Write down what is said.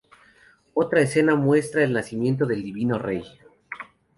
Otra escena muestra el nacimiento divino del rey.